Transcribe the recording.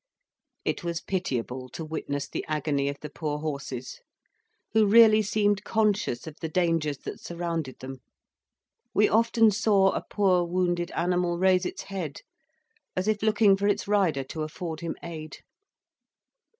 It was pitiable to witness the agony of the poor horses, who really seemed conscious of the dangers that surrounded them: we often saw a poor wounded animal raise its head, as if looking for its rider to afford him aid.